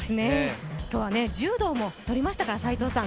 今日は柔道もとりましたから。